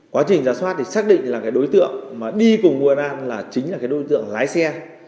quá trình giả xuất thì xác định là cái đối tượng mà đi cùng quân an là chính là cái đối tượng lái xe